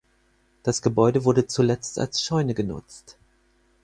Das Gebäude wurde zuletzt als Scheune genutzt.